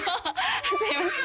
すみません。